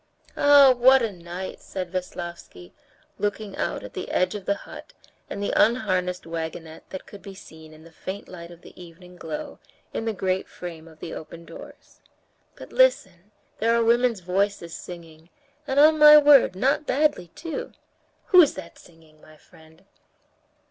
"Ah, what a night!" said Veslovsky, looking out at the edge of the hut and the unharnessed wagonette that could be seen in the faint light of the evening glow in the great frame of the open doors. "But listen, there are women's voices singing, and, on my word, not badly too. Who's that singing, my friend?"